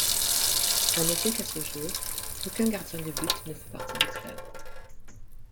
À noter qu'à ce jour, aucun gardien de but ne fait partie du club.